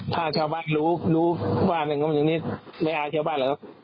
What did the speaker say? ถ้าเช้าบ้านรู้รู้บ้านอย่างนี้ไม่อายเช้าบ้านหรือ